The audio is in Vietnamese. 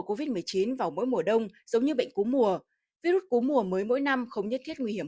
covid một mươi chín vào mỗi mùa đông giống như bệnh cú mùa virus cú mùa mới mỗi năm không nhất thiết nguy hiểm